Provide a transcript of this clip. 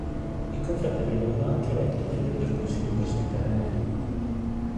I confratelli lo hanno anche eletto membro del consiglio presbiterale.